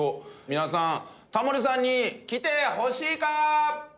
皆さんタモリさんに来てほしいか？